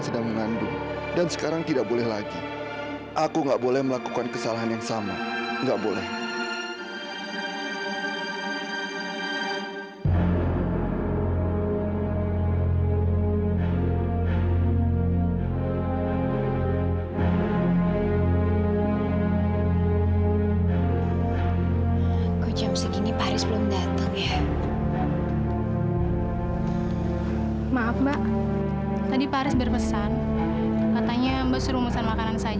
sampai jumpa di video selanjutnya